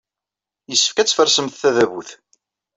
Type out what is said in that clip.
Yessefk ad tfersemt tadabut.